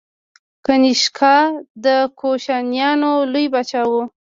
کنیشکا د کوشانیانو لوی پاچا و.